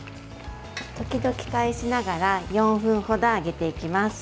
時々返しながら４分ほど揚げていきます。